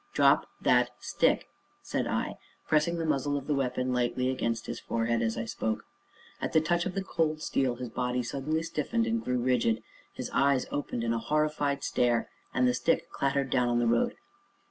"Drop that stick!" said I, pressing the muzzle of the weapon lightly against his forehead as I spoke. At the touch of the cold steel his body suddenly stiffened and grew rigid, his eyes opened in a horrified stare, and the stick clattered down on the road.